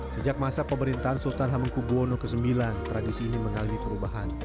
sejak masa pemerintahan sultan hamengkubono ix tradisi ini mengalami perubahan